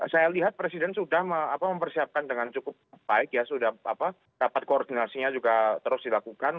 saya lihat presiden sudah mempersiapkan dengan cukup baik ya sudah rapat koordinasinya juga terus dilakukan